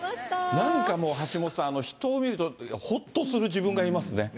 なんかもう、橋下さん、人を見ると、ほっとする自分がいますね。